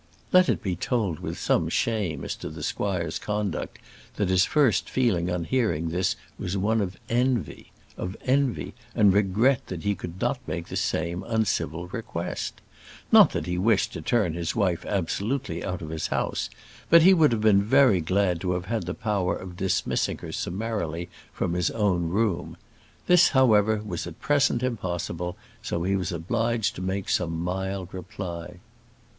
Let it be told with some shame as to the squire's conduct, that his first feeling on hearing this was one of envy of envy and regret that he could not make the same uncivil request. Not that he wished to turn his wife absolutely out of his house; but he would have been very glad to have had the power of dismissing her summarily from his own room. This, however, was at present impossible; so he was obliged to make some mild reply.